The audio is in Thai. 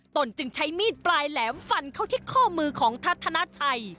ตนจึงใช้มีดปลายแหลมฟันเข้าที่ข้อมือของทัศนาชัย